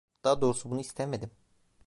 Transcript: Daha doğrusu bunu istemedim.